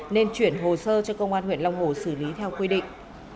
nên chuyển hồ sơ cho công an huyện long hồ xử lý theo quy định